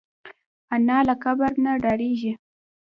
انا له قبر نه ډارېږي